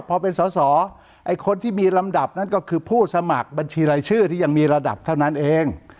พอเป็นสอสอไอ้คนที่มีลำดับนั้นก็คือผู้สมัครบัญชีรายชื่อที่ยังมีระดับเท่านั้นเอง